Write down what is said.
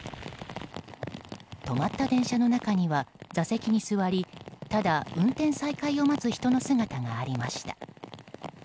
止まった電車の中には座席に座りただ、運転再開を待つ人の姿がありました。